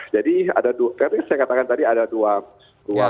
jadi ada dua tadi saya katakan tadi ada dua kelompok masyarakat